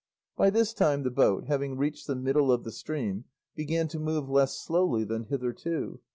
By this time, the boat, having reached the middle of the stream, began to move less slowly than hitherto.